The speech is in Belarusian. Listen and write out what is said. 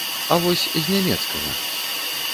А вось з нямецкага?